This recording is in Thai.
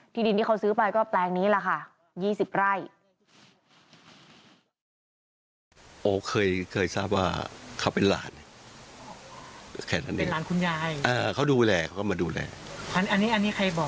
ดินที่เขาซื้อไปก็แปลงนี้แหละค่ะ๒๐ไร่